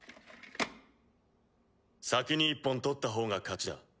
先に一本取った方が勝ちだ。